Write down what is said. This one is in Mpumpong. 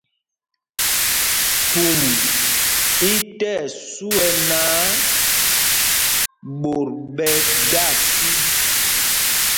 Pum i tí ɛsu ɛ náǎ, ɓot ɓɛ da sí.